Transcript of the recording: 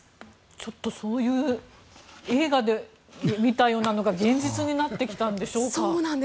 ちょっとそういう映画で見たようなのが現実になってきたんでしょうか。